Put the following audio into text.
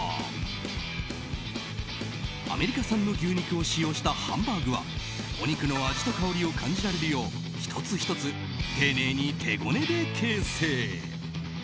アメリカ産の牛肉を使用したハンバーグはお肉の味と香りを感じられるよう１つ１つ丁寧に手ごねで形成。